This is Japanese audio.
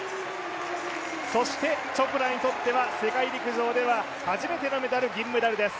そしてチョプラにとっては世界陸上では初めてのメダル、銀メダルです。